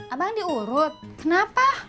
abang diurut kenapa